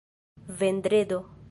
vendredo